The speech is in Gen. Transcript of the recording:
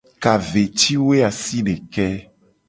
Ka ve ci woe asideke.